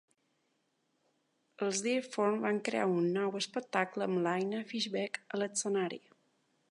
Els Die Form van crear un nou espectacle amb Laina Fischbeck a l'escenari.